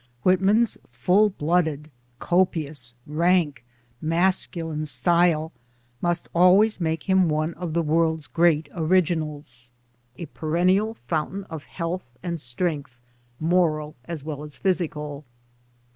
Whitman's full blooded, copious, rank, masculine style must always make him one of the world's great originals — a perennial fountain of health and strength, moral as well as physical.